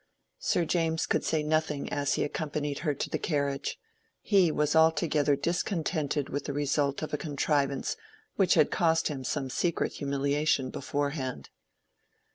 Sir James could say nothing as he accompanied her to the carriage. He was altogether discontented with the result of a contrivance which had cost him some secret humiliation beforehand.